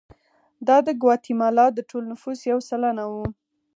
دا د ګواتیمالا د ټول نفوس یو سلنه وو.